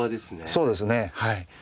そうですねはい。